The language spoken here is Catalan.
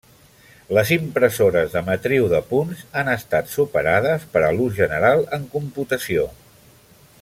Les impressores de matriu de punts han estat superades per a l'ús general en computació.